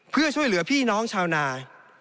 เพื่อช่วยเหลือพี่น้องชาวนา